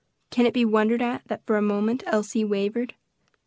Can it be wondered at that for a moment Elsie wavered?